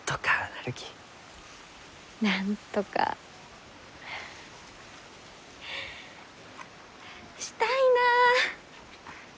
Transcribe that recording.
なんとかしたいなあ。